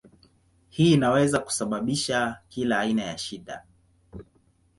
Hii inaweza kusababisha kila aina ya shida.